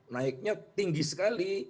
naiknya tinggi sekali